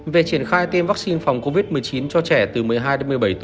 về triển khai tiêm vaccine phòng covid một mươi chín cho trẻ từ một mươi hai đến một mươi bảy tuổi